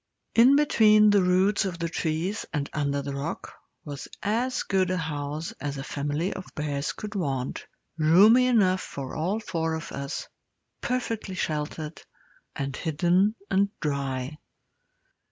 In between the roots of the trees and under the rock was as good a house as a family of bears could want roomy enough for all four of us, perfectly sheltered, and hidden and dry.